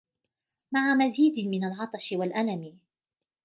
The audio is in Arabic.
مع مزيد من العطش والألم